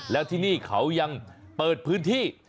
แล้วที่นี่เขายังเปิดพื้นที่